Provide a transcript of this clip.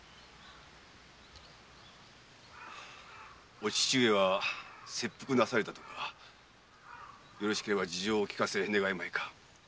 お父上は切腹なされたと聞くがよろしければ事情をお聞かせ願えないか？